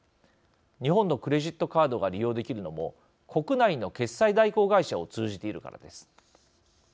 日本のクレジットカードが利用できるのも国内の決済代行会社を通じているからです。